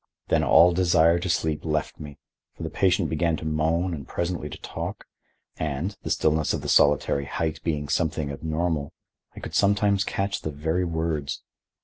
Then all desire to sleep left me, for the patient began to moan and presently to talk, and, the stillness of the solitary height being something abnormal, I could sometimes catch the very words.